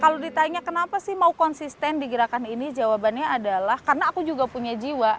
kalau ditanya kenapa sih mau konsisten di gerakan ini jawabannya adalah karena aku juga punya jiwa